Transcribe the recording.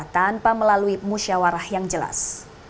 tanpa melalui musyawarah yang jelas